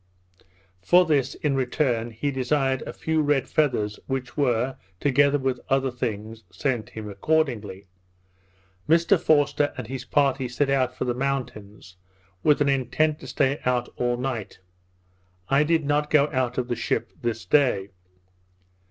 For this, in return, he desired a few red feathers, which were, together with other things, sent him accordingly. Mr Forster and his party set out for the mountains, with an intent to stay out all night. I did not go out of the ship this day.